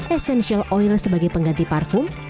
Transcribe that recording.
essential oil sebagai pengganti parfum